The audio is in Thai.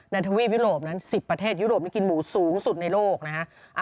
ทวีปยุโรปนั้น๑๐ประเทศยุโรปนี้กินหมูสูงสุดในโลกนะฮะ